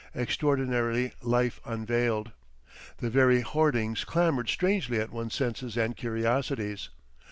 Extraordinarily life unveiled. The very hoardings clamoured strangely at one's senses and curiosities.